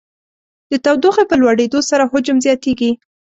د تودوخې په لوړېدو سره حجم زیاتیږي.